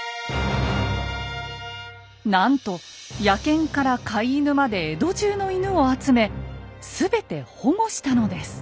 なんと野犬から飼い犬まで江戸中の犬を集め全て保護したのです。